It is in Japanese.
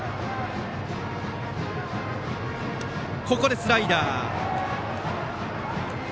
ここでスライダー。